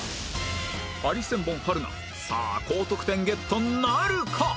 ハリセンボン春菜さあ高得点ゲットなるか？